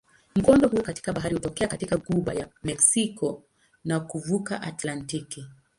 Mkondo huu katika bahari hutokea katika ghuba ya Meksiko na kuvuka Atlantiki.